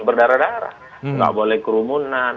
berdarah darah nggak boleh kerumunan